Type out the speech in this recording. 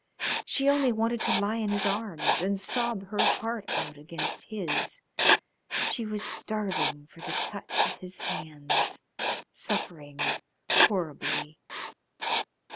She only wanted to lie in his arms and sob her heart out against his. She was starving for the touch of his hands, suffering horribly.